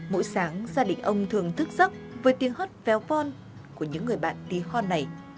mỗi sáng gia đình ông thường thức giấc với tiếng hót véo von của những người bạn tí hon này